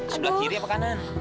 sebelah kiri apa kanan